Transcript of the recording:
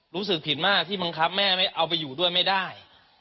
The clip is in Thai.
รู้สึกผิดมากที่บังคับแม่ไม่เอาไปอยู่ด้วยไม่ได้